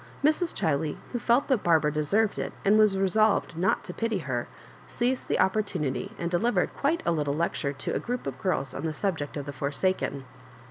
Mrs. Ghiley, who felt that Barbara deserved it^ and was resolved not to pity her, seized the opportunity, and delivered quite a lit tle lecture to a group of girls on the subject of the forsaken.